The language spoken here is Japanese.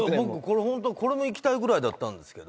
ホントはこれもいきたいぐらいだったんですけど。